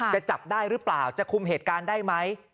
จะจับได้หรือเปล่าจะคุมเหตุการณ์ได้ไหม